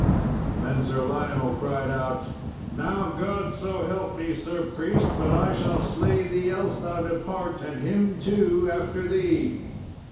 Then Sir Lionel cried out, "Now, God so help me, sir priest, but I shall slay thee else thou depart, and him too after thee."